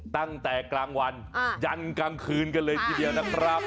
ตั้งแต่กลางวันยันกลางคืนกันเลยทีเดียวนะครับ